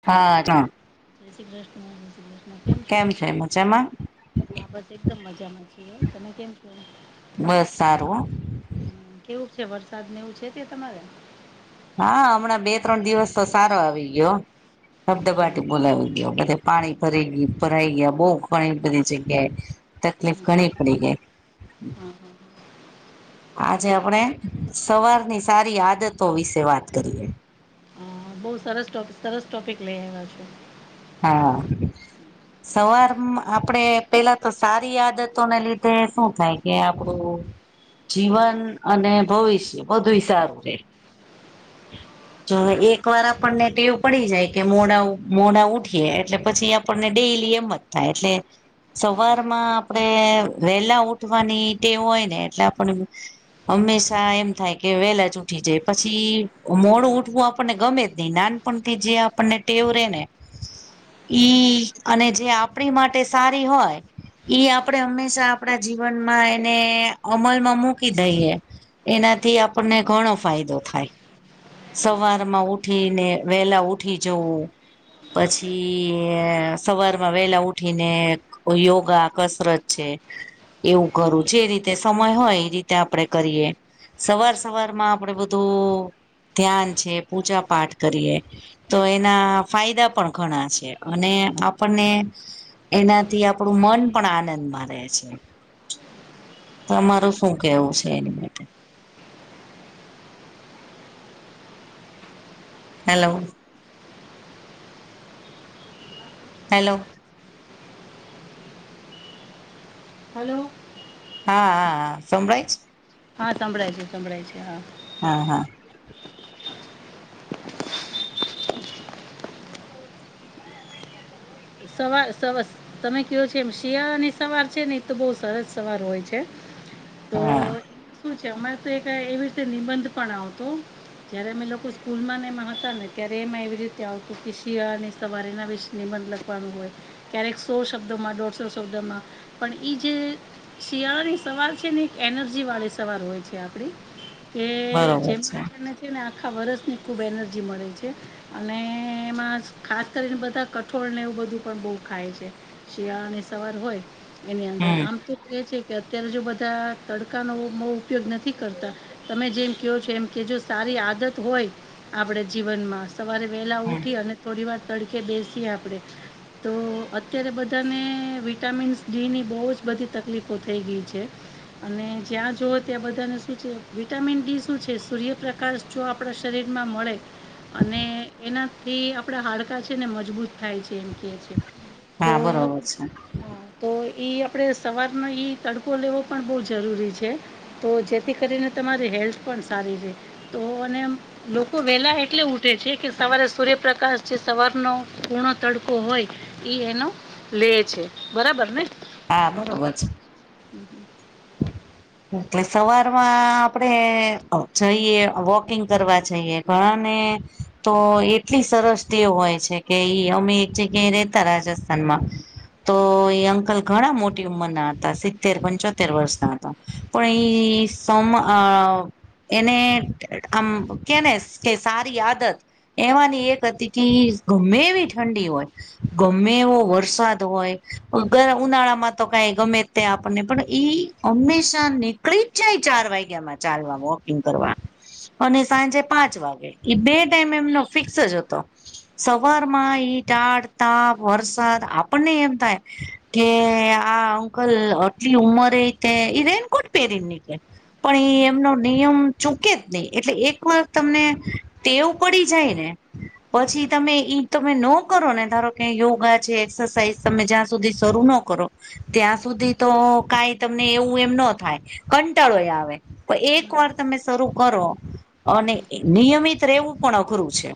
હા, ચાલ. જય શ્રી કૃષ્ણ, જય શ્રી કૃષ્ણ. કેમ છો? છે મજામાં હા, બસ એકદમ મજામાં છીએ. તમે કેમ છો? બસ સારું હ. કેવુંક છે? વરસાદ ને એવું છે તે તમારે? હા, હમણાં બે ત્રણ દિવસ તો સારો આવી ગીયો. હમ, દબદબાટી બોલાવી ગ્યો, બધે પાણી ભરી ગ્ય ભરાઇ ગ્યા, બહુ ઘણી બધી જગ્યાએ. તકલીફ ઘણી પડી ગેય. હા, હા. આજે આપણે સવારની સારી આદતો વિશે વાત કરીએ. બઉ સરસ ટોપી સરસ ટોપિક લઈ આયવા છો. હા. સવારમાં આપણે પેલા તો સારી આદતોને લીધે શું થાય કે આપડું જીવન અને ભવિષ્ય બધુય સારું રહે. [inaudible] જો એક વાર આપણને ટેવ પડી જાય. કે મોડા મોડા ઉઠીએ એટલે પછી આપણને ડેલી એમ જ થાય એટલે. સવારમાં આપણેે વેલા ઉઠવાની તે હોય, ને એટલે આપણને હંમેશા એમ થાય કે વહેલા જ ઉઠી જાય પછી મોડું ઉઠવું આપણને ગમે જ નહી નાનપણથી જે આપણને ટેવ રેેહ ને. ઈ અને જે આપણી માટે સારી હોય. ઈ આપણે હંમેશા આપણા જીવનમાં એને અમલમાં મૂકી દઈએ. એનાથી આપણને ઘણો ફાયદો થાય. સવાર માં ઉઠી ને વેલા ઉઠી જવું. પછી સવારમાં વેલા ઉઠીને. યોગા કસરત છે. એવું કરું જે રીતે સમય હોય, એ રીતે આપણે કરીએ. સવાર સવાર માં આપણે બધું ધ્યાન છે. પૂજા પાઠ કરીએ. તો એના ફાયદા પણ ઘણા છે. અને આપણને એનાથી આપણું મન પણ આનંદમાં રહે છે. તમારું શું કેવું છે? એની માટે. હલો. હલો. હલો. હા, હા સંભળાય છે? હા, સંભળાય છે સંભળાય છે હા. હા હા.. સવારે સ તમે કયો છો, એમ શિયાળાની સવાર છે. ને એ તો બહું સરસ સવાર હોય છે. તો હા શું છે, અમારે તો એક એવી રીતે નિબંધ પણ આવતો. જયારે અમે લોકો સ્કૂલ માં એમાં હતા. ને ત્યારે એમાં એવી રીતે આવતું કે શિયાળા ની સવારીના વિશે મતલબ હોય, ક્યારેક સો શબ્દોમાં દોઢસો શબ્દોમાં પણ ઈ જે શિયાળાની સવાર છે. ને એક એનર્જી વાળી સવાર હોય છે આપણી. કે જેમ છે ને. ને આખા વર્ષની ખૂબ એનર્જી મળે છે. અને એમાં ખાસ કરીને બધા કઠોળને એવું બધું પણ બહું ખાય છે. શિયાળાની સવાર હોય એની અંદર હમ આમ તો. કે છે, કે અત્યારે જો બધા તડકા નો બહુ ઉપયોગ નથી કરતા. તમે જેમ ક્યો છો, એમ કેજો સારી આદત હોય આપણે જીવનમાં. સવારે વેલા હમ ઉઠી અને થોડી વાર તડકે બેસીએ આપણેે. તો અત્યારે બધાને વિટામિન્સ ડી ની બહુ જ બધી તકલીફો થઈ ગઈ છે. અને જ્યાં જઓ ત્યાં બધાને શું છે. વિટામિન ડી શું છે. સૂર્યપ્રકાશ સૂર્યપ્રકાશ જો આપણા શરીર માં મળે. અને એનાથી આપણા હાડકા છે. ને મજબૂત થાય છે. એમ એમ કે છે તો. હા બરોબર છે તો એ આપણે સવારનો એ તડકો લેવો પણ બહુ જરૂરી છે. તો જેથી કરીને તમારી હેલ્થ પણ સારી છે. તો અને લોકો વેલા એટલે ઉઠે છે કે, સવારે સૂર્યપ્રકાશ જે સવારનો કુણો તડકો. કો હોય ઈ એનો લે છે, બરાબર ને? હા, બરોબર છે. હુ, હુ, [inaudible] એટલે સવારમાં આપણેે જઈએ, વોકિંગ કરવા જઈએ. ઘણા ને તો એટલી સરસ તેવ હોય છે કે, ઈ અમે એક જગ્યાએ રેહતા રાજસ્થાન સ્થાનમાં, તો એ અંકલ ઘણા મોટી ઉંમરના હતા. સિત્તેર-પંચોતેર. સીતેર વર્ષના હતા, પણ ઈ સોમ અ. એને એમ કે ને કે સારી આદત. એમાની એક અતી કી ગમ્મે એવી ઠંડી ઓય, ગમ્મે એવો વરસાદ હોય, અગયા ઉનાળામાં તો કાઈ ગમે ત્યાં આપણને પણ. ઈ હંમેશા નીકળી જ જાય, ચાર વાગ્યામાં ચાલવા, વોકિંગ કરવા. અને સાંજે પાંચ વાગે એ બે ટાઈમ એમનો ફિક્સ જ હતો. સવારમાં ઈ ટાળ, તાપ, વરસાદ આપણને એમ થાય. કે આ અંકલ આટલી ઉમરે કે, ઈ રેઇનકોટ પહેરીને નીકળે. પણ એ એમનો નિયમ ચૂકે જ નઈ, એટલે એક વાર તમને ટેવ પળી જાય ને. પછી, તમે ઈ તમે નો કરો ને ધારો કે યોગા છે, એક્સરસાઇઝ તમે જ્યાં સુધી શરૂ નો કરો, ત્યાં સુધી તો કાઈ તમને એવું એમ નો થાય, કંટાળોય આવે પણ એક વાર તમે શરૂ કરો. અને એ નિયમિત રેવું પણ અઘરું છે,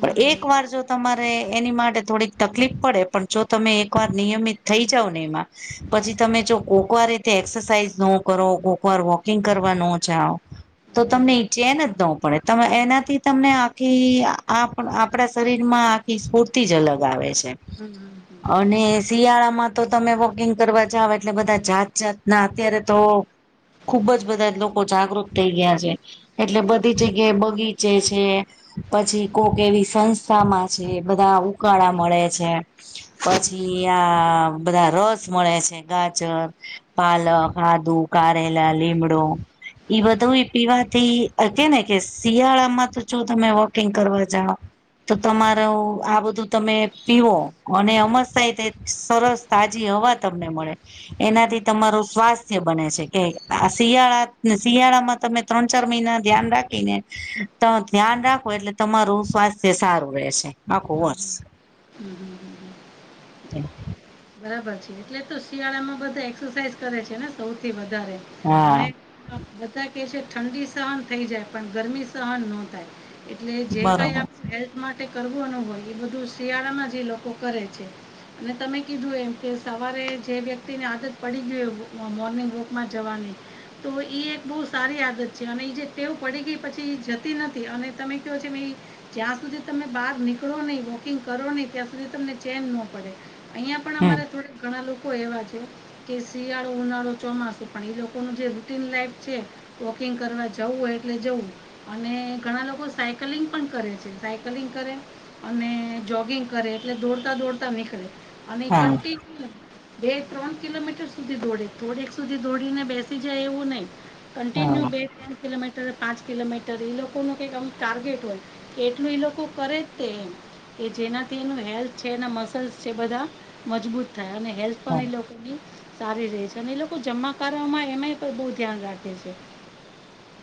પણ એક વાર જો. તમારે એની માટે થોડીક તકલીફ પડે, પણ જો તમે એકવાર નિયમિત થઈ જાવો ને એમાં. પછી, તમે જ કોક વાર રીતે એક્સરસાઇઝ નો કરો, કોક વાર વોકિંગ કરવા નો જાવ. તો તમને ઈચેન જ નો પડે. તમે એનાથી તમને આખી આપ આપણા શરીરમાં આખી સ્ફૂર્તિ જ અલગ આવે છે. હુ, હુ, હુ, અને શિયાળામાં તો તમે વોકિંગ કરવા જાવ. એટલે બધા જાત જાતના, અત્યારે તો ખૂબ જ બધા જ લોકો જાગૃત થઈ ગીયા છે. એટલે બધી જગ્યાએ બગીચે છે. પછી, કોક એવી સંસ્થામાં છે, બધા ઉકાળા મળે છે. પછી આ બધા રસ મળે છે. ગાજર, પાલક, આદુ, કારેલા, લીમળો ઈ બધુઈ પીવાથી અ કેને કે શિયાળામાં તો જો તમે વોકિંગ કરવા જાવ. તો તમારું, આ બધું તમે પીવો અને અમર સાહિત એક સરસ. તાજી હવા તમને મળે, એનાથી તમારું સ્વાસ્થ સ્થય બને છે કે, આ શિયાળા ન શિયાળામાં તમે ત્રણ-ચાર મઈના ધ્યાન રાખીને. તો ધ્યાન રાખો, એટલે તમારું સ્વાસ્થ્ય સારું રેશે. આખું હમ વર્ષ. હમ હમ હમ હમ હમ. બરાબર છે, એટલે જ તો શિયાળામાં બધા એક્સરસાાઈઝ કરે છે ને, સૌથી વધારે હા અને. હા, બધા કે છે ઠંડી સહન થઇ જાય, પણ ગરમી સહન નો થાય. એટલે જે કાઈ બરોબર આપણે હેલ્થ માટે કરવું નો હોય, એ બધું શિયાળામાં જ એ લોકો કરે છે. ને તમે કીધું એમ કે, સવારે જે વ્યક્તિને આદત પડી ગીયુ એવું મોર્નિંગ વોકમાં જવાની. તો ઈ એક બહુ સારી આદત છે, અને ઈ જે ટેવ પડી ગેઈ પછી જતી નથી, અને તમે ક્યો જેમ ઈ જ્યાં સુધી તમે બાર નીકળો નઈ, વોકિંગ કરો નઈ, ત્યાં સુધી તમને ચેમ નો પડે, અહીંયા પણ. હમ્મ. અમારે ઘણા લોકો એવા છે. કે શિયાળો, ઉનાળો, ચોમાસુ પણ એ લોકો નો જે રૂટીન લાઈફ છે. વોકિંગ કરવા જવું હોય, એટલે જવું અને ઘણા લોકો સાયકલિંગ પણ કરે છે, સાયકલિંગ કરે અને જોગિંગ કરે, એટલે દોડતા-દોડતા નીકળે અને હા કન્ટિન્યુ બે-ત્રણ કિલોમીટર સુધી દોડે, થોડેક સુધી દોડીને બેસી જાય એવું નહિ. કન્ટિન્યુ હા બે ત્રણ કિલોમીટર, પાંચ કિલોમીટર એ લોકોનું કંઈક અમ ટાર્ગેટ હોય કે, એટલું એ લોકો કરે. તે એ જેનાથી એનું હેલ્થ છે, એના મસલ્સ છે બધા મજબૂત થાય અને હેલ્થ પણ હા એ લોકોની સારી રે છે અને એ લોકો જમવા કરવામાં એમાંય પણ બહુ ધ્યાન રાખે છે.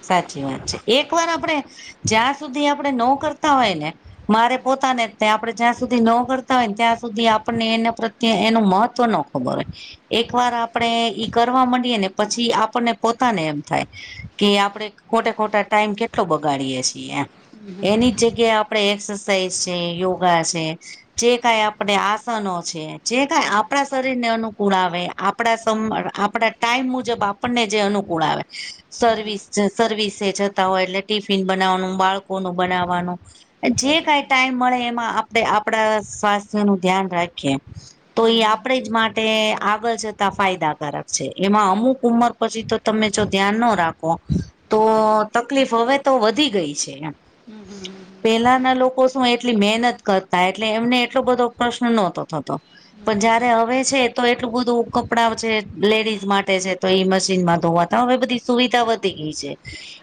સાચી વાત છે, એક વાર આપણેે જ્યાં સુધી આપણે ન કરતા હોય ને મારે પોતાને જ આપે જ્યાં સુધી ન કરતા હોય ને, ત્યાં સુધી આપણને એના પ્રત્યે એનું મહત્વ ન પરખીયે એક વાર આપણેે ઈ કરવા માંડીએે ને પછી આપણને પોતાને એમ થાય. કે આપણે ખોટા-ખોટે ટાઈમ કેટલો બગાડીએે છીએ એમ, એની જગ્યાએ આ આપડે એક્સરસાઇઝ છે, યોગા છે જે કઈ આપણે આસનો છે, જે કઈ આપણા શરીર ને અનુકૂળ આવે, આપ આપડા સમ, આપડા ટાઈમ મુજબ આપણને જે અનુકૂળ આવે. હમ હમ સર્વિસ જ, સર્વિસે જતા હોય એટલે ટિફિન બનાવવાનું, બાળકોનું બનાવવાનું. જે કઈ ટાઈમ મળે એમાં આપણે આપડા સ્વાસ્થ્ય નું ધ્યાન રાખીએ. તો એ આપડે જ માટે તે આગળ જતા ફાયદાકારક છે, એમાં અમુક ઉંમર પછી તો તમે જો ધ્યાન ન રાખો તો તકલીફ હવે તો વધી ગઈ છે, એમ હમ, હમ પેલાના લોકો શું એટલી મહેનત કરતા એટલે એમને એટલો બધો પ્રશ્ન નહતો થતો. પણ જયારે હવે છે તો એટલું બધું કપડા છે, લેડીઝ માટે છે, તો એ મશીન માં ધોવા હવે બધી સુવિધા વધી ગઈ છે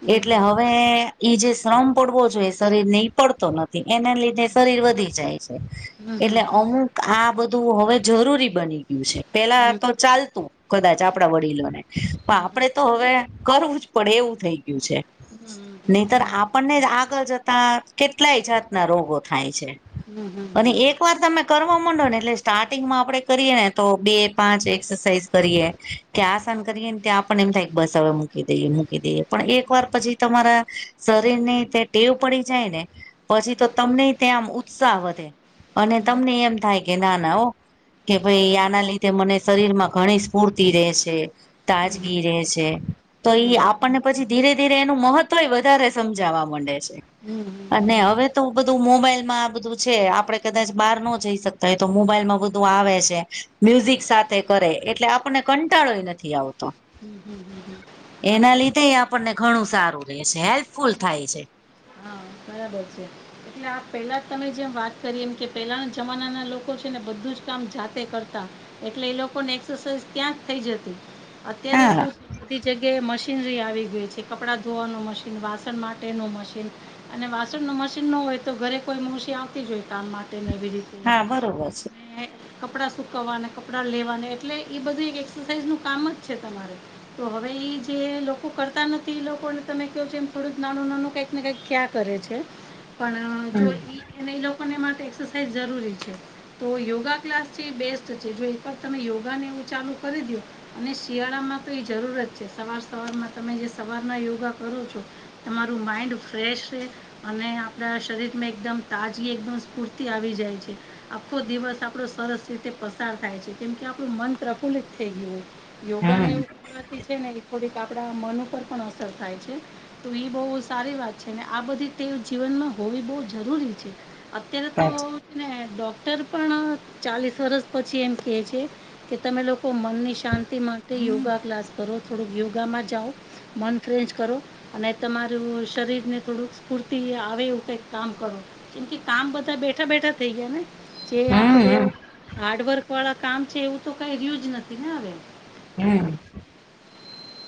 હમ હમ હમ હમ હમ હમ હમ હમ હમ હમ હમ એટલે હવે ઈ જે શ્રમ પડવો જોઈએ, એ શરીર ને ઈ પડતો નથી, એના લીધે શરીર વધી જાય. એટલે અમુક આ બધું હવે જરૂરી બની ગયું છે. પેલા તો ચાલતું કદાચ આપણા વડીલોને પણ આપણેે તો હવે કરવું જ પડે એવું થઈ ગયું છે. નહીતર આપણને જ આગળ જતા કેટલાય જાતના રોગો થાય છે. અને એક વાર તમે કરવા માંડો ને એટલે સ્ટાર્ટિંગમાં આપડે કરીએ ને, તો બે-પાંચ એક્સરસાઇઝ કરીએ, ત્યાં આસન કરીએ ને ત્યાં આપણને એમ થાય બસ હવે મૂકી મૂકી દઈએ, મૂકી દઈએ, પણ વાર પછી તમારા શરીર ની તે ટેવ પડી જાય ને પછી તો તમને ત્યાં આમ ઉત્સાહ વધે અને તમને એમ થાય કે ના-ના ઓ કે ભાઈ આના લીધે મને શરીર માં ઘણી સ્ફૂર્તિ રે છે. તાજગી રહે છે, તો હમ હમ એ હમ આપણને પછી ધીરે-ધીરે એનું મહત્વ વધારે સમજાવવા માંડે છે. હમ હમ અને હવે તો બધું મોબાઈલ માં આ બધું છે, આપડે કદાચ બહાર ન જઈ શકી તો એ તો મોબાઈલમાં બધું આવે છે, મ્યુઝિક સાથે કરે એટલે આપણને કંટાળો ય નથી આવતો. હમ, હમ એના લીધે આપણને ઘણું સારું રહેે છે, હેલ્પફુલ થાય છે. હા બરાબર છે. એટલે આ પહેલા તમે જેમ વાત કરી એમ કે, પેલાના જમાનાના લોકો છે ને બધું જ કામ જાતે કરતા. એટલે એ લોકોને એક્સરસાઝ ત્યાં જ થઈ જતી અત્યારે હા શું બધી જગ્યાએ મશીનરી આવી ગયી છે, કપડા ધોવાનું મશીન, વાસણ માટેનું મશીન, અને વાસણ નુ મશીન ન હોય તો ઘરે કોઈ મોસી આવતી જ હોય કામ માટે ને એવી રીતે હા બરોબર છે. ને કપડાં સુકવવાને, કપડાં લેવાને એટલે એ બધું એક એક્સરસાઇઝ નું કામ જ છે તમારે, તો હવે ઈ જે લોકો કરતા નથી એ લોકોને તમે ક્યો છો એમ થોડું નાનું નાનું કંઈક ને કઈક ક્યા કરે છે પણ જો હમ એ લોકોને માટે એક્સરસાઇઝ જરૂરી છે. તો યોગા ક્લાસ છે એ બેસ્ટ છે જો એક વાર તમે યોગા ને એવું ચાલુ કરી દો, અને શિયાળા માં તો એ જરૂરત છે સવાર સવારમાં તમે જે સવારના યોગા કરો છો, તમારું માઈન્ડ ફ્રેશ અને આપડા શરીરમાં એકદમ તાજગી એકદમ સ્ફૂર્તિ આવી જાય છે. આખો દિવસ આપણો સરસ રીતે પસાર થાય છે કેમ કે આપણું મન પ્રફુલ્લિત થઈ ગયું. યોગા ને હમ એવું એનાથી છે ને થોડીક આપણા મન ઉપર પણ અસર થાય છે તો એ બહુ સારી વાત છે. અનેન આ બધી ટેવ જીવનમાં હોવી બહુ જરૂરી છે. અત્યારે તો સાચું અને ડોક્ટર પણ ચાલીસ વરસ પછી એમ કે છે કે તમે લોકો ત મનની શાંતિ માટે યોગા ક્લાસ કરો થોડુંક યોગામાં જાઓ. મન ફ્રેશ કરો અને તમારું શરીર ને થોડુંક સ્ફૂર્તિ આવે એવું કંઈક કામ કરો, કે કામ બધા બેઠા બેઠા થઈ ગયા ને? જે હમ આપડે હમ હાર્ડવર્ક વાળા કામ છે એવું તો કઇ રહ્યું જ નથી ને હવે, હમ,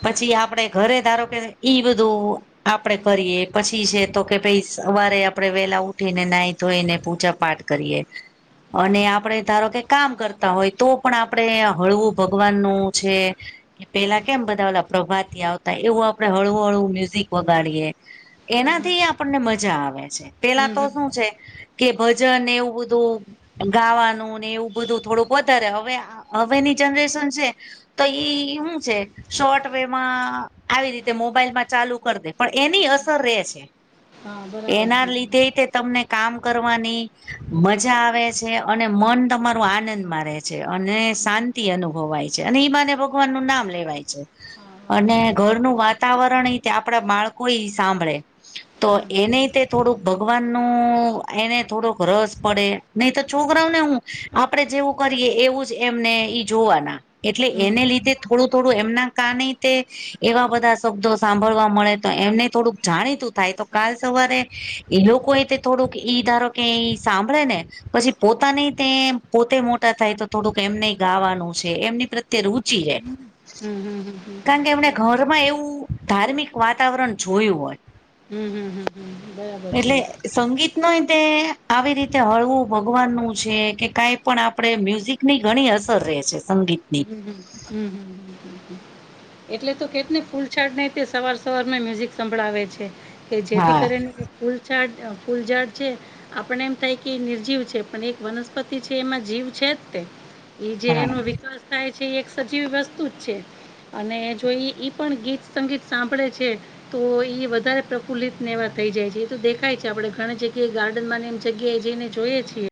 પછી આપડે ઘરે ધારો કે ઈ બધું, આપડે કરીએ પછી છે તો કે ભઈ સવારે આપડે વેહલા ઉઠીને નાહી ધોઈને પૂજા પાઠ, કરીએ, અને આપણે ધારો કે કામ કરતા હોય તો પણ આપણે હળવું ભગવાનનું છે. કે પહેલા કેમ બધા પ્રભાતિયા આવતા એવું આપડે હળવું હળવું મ્યુઝિક વગાડીએ. હમ હમ એનાથી આપણને મજા આવે છે પહેલા હમ તો હમ શું છે, કે ભજન ને એવું બધું, ગાવાનું ને એવું બધું થોડુંક વધારે હવે હવેની જનરેશન છે. તો ઈ ઈ હું છે, શોર્ટ વે માં આવી રીતે મોબાઈલમાં ચાલુ કર દે પણ એની અસર રે છે. હા બરાબર એના છે લીધે તે, તમને કામ કરવાની મજા આવે છે અને મન તમારો આનંદ મા રે, છે, અને શાંતિ અનુભવાય છે, અને ઈ બહાને ભગવાન નું નામ લેવાય છે. હા હા અને ઘરનું વાતાવરણ ઇ તે આપડા બાળકોય સાંભળે, તો હમ હમ એને તે થોડુંક ભગવાન નું એને થોડોક રસ પડે. નહી તો છોકરાઓને હું આપડે જેવું કરીએ એવું જ એમને ઈ જોવાના, એટલે હમ એને લીધે થોડું તો, એમના કાને તે એવા બધા શબ્દો સાંભળવા મળે તો એમને થોડુંક જાણીતું થાય તો, કાલ સવારે એ લોકો એ થોડુંક ઈ ધારો કે એ સાંભળે ને પછી પોતાની તે પોતે મોટા થાય તો થોડુંક એમને ગાવાનું છે એમની પ્રત્યે રુચિ રહેે, હમ હમ હમ હમ, ઘરમાં એવું ધાર્મિક વાતાવરણ જોયું હોય. હમ હમ હમ બરાબર છે. સંગીતમાય તે આવી રીતે હળવું ભગવાન નું છે કે કાઈ પણ આપણે મ્યુઝિક, ની ઘણી અસર રહે છે સંગીત ની હમ્મ, હમ્મ, હમ્મ, હમ્મ, હમ્મ. એટલે તો કેતને ફૂલછાટનાય તે સવાર સવાર માં મ્યુઝિક સંભળાવે છે. કે જેથી હા કરીને કે ફૂલઝાડ અહ ફૂલઝાડ છે આપણને એમ થાય કે એ નિર્જીવ છે પણ એક વનસ્પતિ છે એમાં જીવ છે જ તે એ જે હા એનો વિકાસ થાય છે એ એક સજીવી વસ્તુ જ છે. અને જો ઈ ઈ પણ ગીત સંગીત સાંભળે છે. તો એ વધારે પ્રફુલ્લિત ને એવા થઈ જાય છે એ તો દેખાય છે આપડણે ઘણી જગ્યાએ ગાર્ડન એમ જગ્યાએ જઈને જોઈએ છીએ